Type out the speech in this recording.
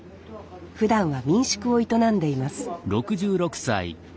ふだんは民宿を営んでいます